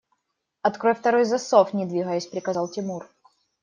– Открой второй засов! – не двигаясь, приказал Тимур.